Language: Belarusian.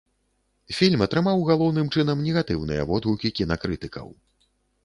Фільм атрымаў галоўным чынам негатыўныя водгукі кінакрытыкаў.